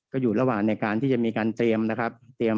ก็อยู่ระหว่างในการที่จะมีการเตรียมนะครับ